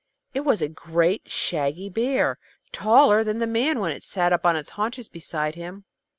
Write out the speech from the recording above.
It was a great, shaggy bear, taller than the man when it sat up on its haunches beside him.